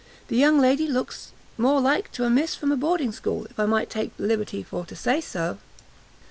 the young lady looks more like to a Miss from a boarding school, if I might take the liberty for to say so."